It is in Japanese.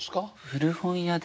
古本屋で。